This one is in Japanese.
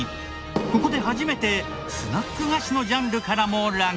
ここで初めてスナック菓子のジャンルからもランクイン。